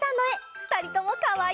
ふたりともかわいい！